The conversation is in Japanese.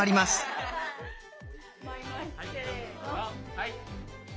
はい！